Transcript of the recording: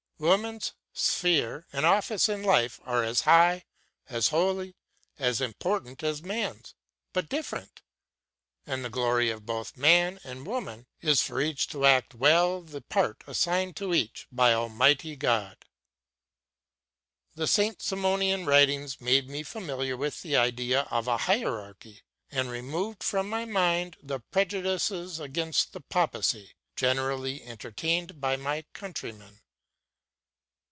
Woman's sphere and office in life are as high, as holy, as important as man's, but different; and the glory of both man and woman is for each to act well the part assigned to each by Almighty God. The Saint Simonian writings made me familiar with the idea of a hierarchy, and removed from my mind the prejudices against the Papacy generally entertained by my countrymen.